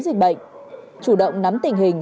dịch bệnh chủ động nắm tình hình